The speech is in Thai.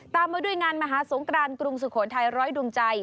มาด้วยงานมหาสงกรานกรุงสุโขทัยร้อยดวงใจ